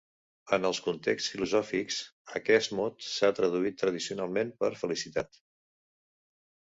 En els contexts filosòfics, aquest mot s'ha traduït tradicionalment per felicitat.